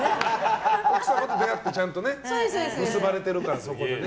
奥様と出会ってちゃんと結ばれてるからね。